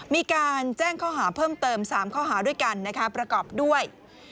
มีการแจ้งข้อหาเพิ่มเติม๓ข้อหาด้วยกันนะคะประกอบด้วย